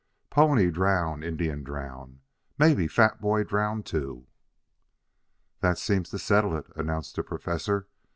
Pony drown, Indian drown. Mebby fat boy drown, too." "That seems to settle it," announced the Professor.